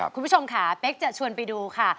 คุณผู้ชมค่ะเป๊กจะชวนไปดูค่ะ